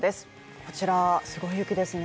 こちらすごい雪ですね